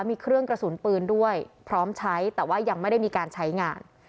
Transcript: มีเครื่องกระสุนปืนด้วยพร้อมใช้แต่ว่ายังไม่ได้มีการใช้งาน